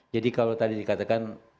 jadi kalau tadi dikatakan